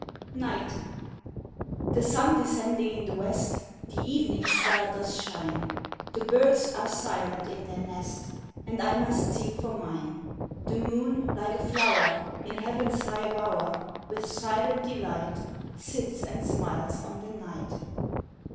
NIGHT The sun descending in the West, The evening star does shine; The birds are silent in their nest, And I must seek for mine. The moon, like a flower In heaven's high bower, With silent delight, Sits and smiles on the night.